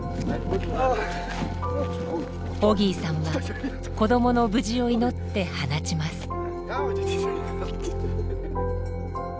オギーさんは子どもの無事を祈って放ちます。